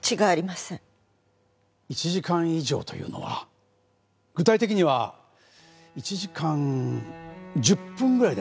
１時間以上というのは具体的には１時間１０分ぐらいですか？